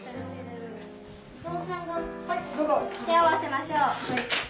手を合わせましょう。